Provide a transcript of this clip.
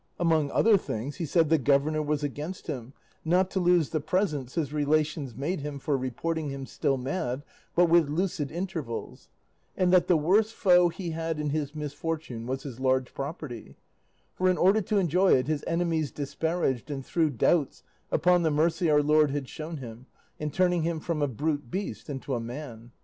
Among other things, he said the governor was against him, not to lose the presents his relations made him for reporting him still mad but with lucid intervals; and that the worst foe he had in his misfortune was his large property; for in order to enjoy it his enemies disparaged and threw doubts upon the mercy our Lord had shown him in turning him from a brute beast into a man.